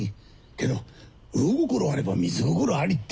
けど「魚心あれば水心あり」って。